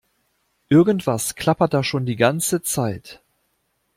Irgendwas klappert da schon die ganze Zeit.